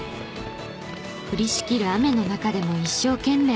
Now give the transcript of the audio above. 降りしきる雨の中でも一生懸命。